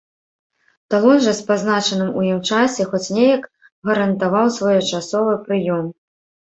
Талон жа з пазначаным у ім часе хоць неяк гарантаваў своечасовы прыём.